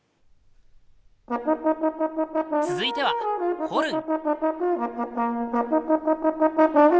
続いてはホルン！